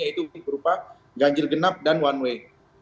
yaitu berupa ganjil genap dan one way